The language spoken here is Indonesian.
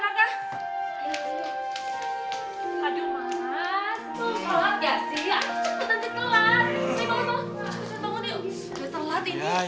udah selat ini